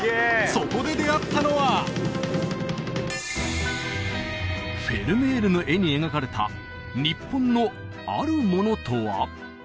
そこで出会ったのはフェルメールの絵に描かれた日本のあるものとは？